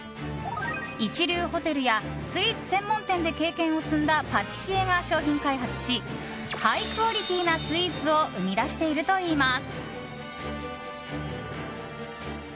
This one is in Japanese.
一流ホテルやスイーツ専門店で経験を積んだパティシエが商品開発しハイクオリティーなスイーツを生み出しているといいます。